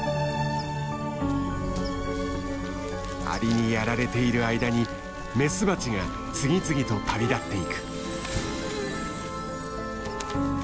アリにやられている間にメスバチが次々と旅立っていく。